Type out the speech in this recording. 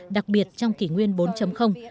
đặc biệt trong kỷ nguyên bốn